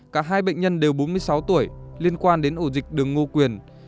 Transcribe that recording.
cả hai bệnh nhân đều bốn mươi sáu tuổi liên quan đến ổ dịch đường ngô quyền